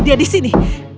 dia di sini